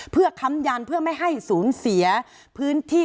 เพื่อค้ำยันเพื่อไม่ให้สูญเสียพื้นที่